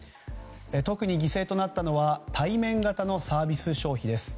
特に犠牲となったのは対面型のサービス消費です。